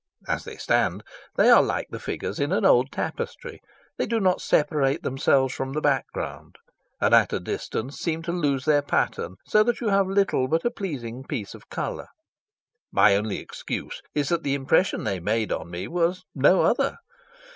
As they stand they are like the figures in an old tapestry; they do not separate themselves from the background, and at a distance seem to lose their pattern, so that you have little but a pleasing piece of colour. My only excuse is that the impression they made on me was no other.